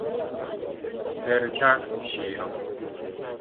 Ter chak e chiro